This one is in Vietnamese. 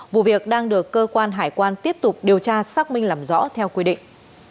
vụ việc đang được cơ quan hải quan tiếp tục điều tra xác minh làm rõ theo quy định